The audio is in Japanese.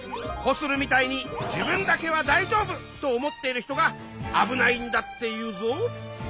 コスルみたいに自分だけは大丈夫と思ってる人があぶないんだっていうぞ。